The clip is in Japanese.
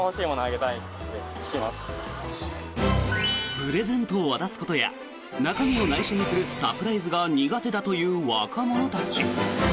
プレゼントを渡すことや中身を内緒にするサプライズが苦手だという若者たち。